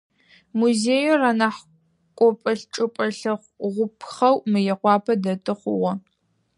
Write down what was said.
Музеир анахь кӏопӏэ-чӏыпӏэ лъэгъупхъэу Мыекъуапэ дэты хъугъэ.